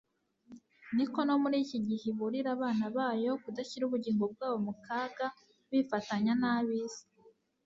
ni ko no muri iki gihe iburira abana bayo kudashyira ubugingo bwabo mu kaga bifatanya n'ab'isi